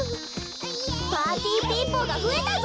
パーティーピーポーがふえたぞ！